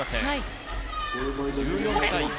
１４対５。